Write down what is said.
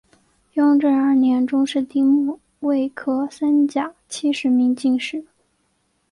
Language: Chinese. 雍正二年中式丁未科三甲七十名进士。